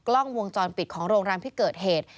กล้องวงจรปิดของโรงแรมที่เกิดเหตุ